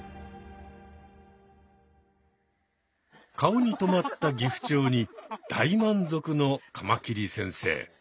顔に止まったギフチョウに大満足のカマキリ先生。